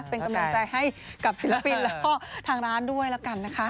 เป็นกำลังใจให้กับศิลปินแล้วก็ทางร้านด้วยแล้วกันนะคะ